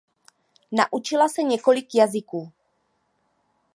Naučila se několik jazyků.